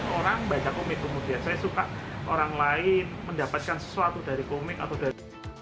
saya suka orang lain mendapatkan sesuatu dari komik atau dari